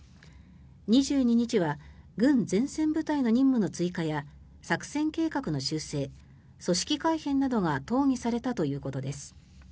２２日は軍前線部隊の任務の追加や作戦計画の修正、組織改編などが討議されたということです。